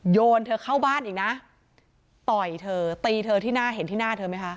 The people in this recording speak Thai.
โยนเธอเข้าบ้านอีกนะต่อยเธอตีเธอที่หน้าเห็นที่หน้าเธอไหมคะ